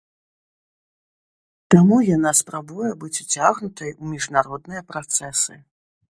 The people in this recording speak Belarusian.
Таму яна спрабуе быць уцягнутай у міжнародныя працэсы.